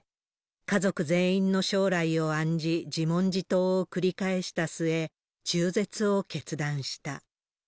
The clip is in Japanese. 家族全員の将来を案じ、自問自答を繰り返した末、中絶を決断した。